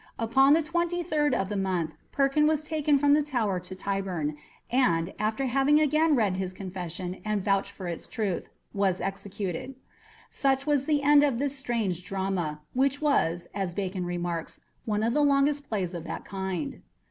Upon the 23rd of the month Perkin was taken from the Tower to Tyburn, and, after having again read his confession and vouched for its truth, was executed. Such was the end of this strange drama, which was, as Bacon remarks, "one of the longest plays of that kind."